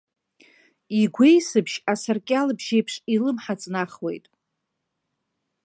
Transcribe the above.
Игәеисыбжь, асаркьал бжьеиԥш илымҳа ҵнахуеит.